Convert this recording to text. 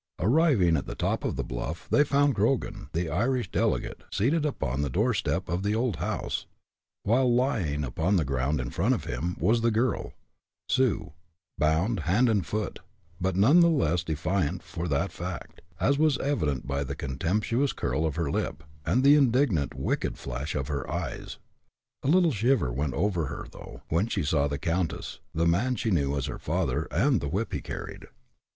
Arriving at the top of the bluff, they found Grogan, the Irish delegate, seated upon the doorstep of the old house, while, lying upon the ground, in front of him, was the girl, Sue, bound, hand and foot, but none the less defiant for that fact, as was evident by the contemptuous curl of her lip, and the indignant, wicked flash of her eyes. A little shiver went over her, though, when she saw the countess, the man she knew as her father, and the whip he carried.